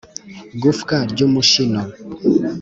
gufwa ry'umushino